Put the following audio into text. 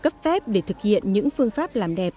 cấp phép để thực hiện những phương pháp làm đẹp